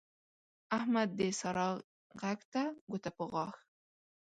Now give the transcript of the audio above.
احمد د سارا غږ ته ګوته په غاښ